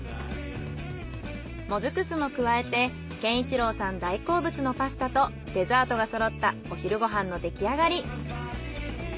もずく酢も加えて健一郎さん大好物のパスタとデザートがそろったお昼ご飯のできあがり。